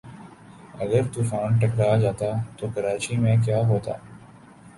اگر طوفان ٹکرا جاتا تو کراچی میں کیا ہوتا